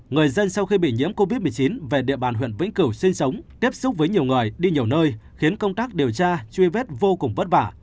người dân sau khi bị nhiễm covid một mươi chín về địa bàn huyện vĩnh cửu sinh sống tiếp xúc với nhiều người đi nhiều nơi khiến công tác điều tra truy vết vô cùng vất vả